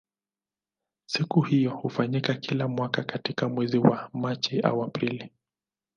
Siku hiyo hufanyika kila mwaka katika mwezi wa Machi au Aprili.